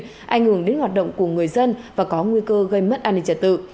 đã ngừng đến hoạt động của người dân và có nguy cơ gây mất an ninh trả tự